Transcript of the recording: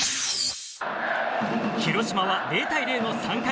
広島は０対０の３回。